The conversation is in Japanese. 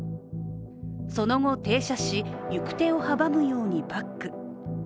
その後停車し、行く手を阻むようにバック。